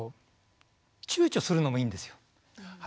ちゅうちょするのもいいんですよ。